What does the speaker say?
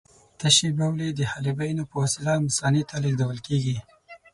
تشې بولې د حالبیونو په وسیله مثانې ته لېږدول کېږي.